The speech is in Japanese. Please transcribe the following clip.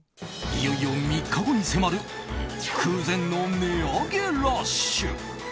いよいよ３日後に迫る空前の値上げラッシュ。